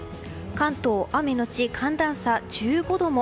関東、雨のち寒暖差１５度も。